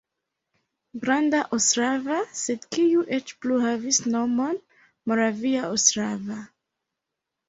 Granda Ostrava, sed kiu eĉ plu havis nomon Moravia Ostrava.